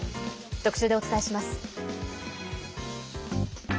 特集でお伝えします。